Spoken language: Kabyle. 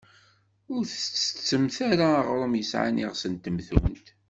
Ur tettettem ara aɣrum yesɛan iɣes n temtunt.